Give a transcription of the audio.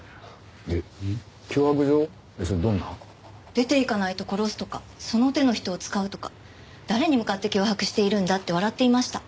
「出て行かないと殺す」とか「その手の人を使う」とか誰に向かって脅迫しているんだって笑っていました。